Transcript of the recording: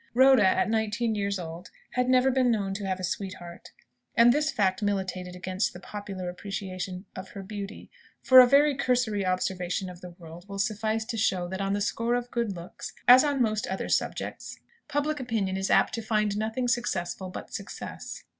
Rhoda, at nineteen years old, had never been known to have a sweetheart. And this fact militated against the popular appreciation of her beauty; for a very cursory observation of the world will suffice to show that on the score of good looks, as on most other subjects, public opinion is apt to find nothing successful but success.